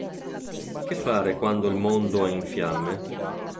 Che fare quando il mondo è in fiamme?